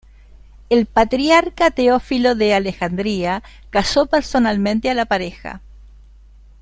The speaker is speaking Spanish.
El patriarca Teófilo de Alejandría casó personalmente a la pareja.